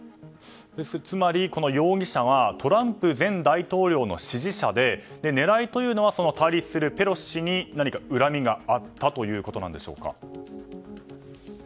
つまり、この容疑者はトランプ前大統領の支持者で狙いというのは対立するペロシ氏に何か恨みがあったということでしょうか。